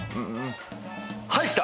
はい来た！